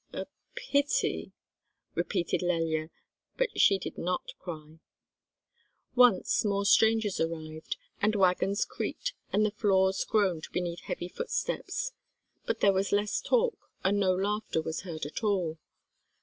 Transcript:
"A—pity," repeated Lelya, but she did not cry. Once, more strangers arrived, and wagons creaked, and the floors groaned beneath heavy footsteps, but there was less talk, and no laughter was heard at all.